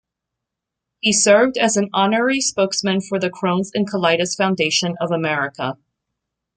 He served as an honorary spokesman for the Crohn's and Colitis Foundation of America.